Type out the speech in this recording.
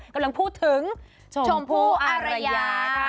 กำลังพูดถึงชมพู่อารยา